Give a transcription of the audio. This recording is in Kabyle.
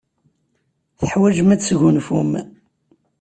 Teḥwajem ad tesgunfum.